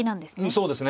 そうですね。